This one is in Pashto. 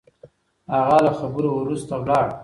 هغه له خبرو وروسته ولاړ.